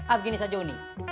ah begini saja uni